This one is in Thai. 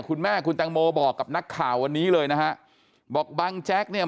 คุณแม่คุณแตงโมบอกกับนักข่าววันนี้เลยนะฮะบอกบังแจ๊กเนี่ย